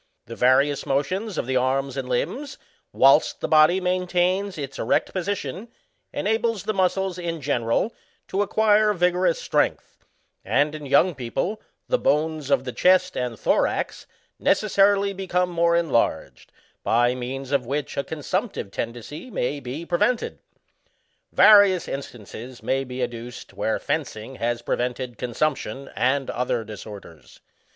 The various motions of the arms and limbs, whilst the body maintains its erect position, enables the muscles, in general, to acquire vigorous strength ; and, in younc^ people, the bones of the chest and thorax, necessarily become more enlarged, by means of which a consumptive tendency may be prevented. Various in stances may be adduced where fencing has prevented consumption and other disorders.